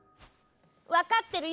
わかってるよ！